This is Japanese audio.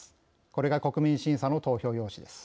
これが国民審査の投票用紙です。